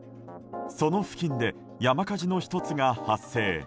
その付近で山火事の１つが発生。